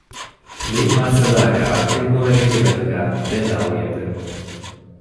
މި މައްސަލާގައި ޢިލްމުވެރިންގެ މެދުގައި ދެ ރައުޔެއްވެ